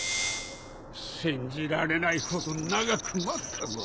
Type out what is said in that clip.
信じられないほど長く待ったぞ。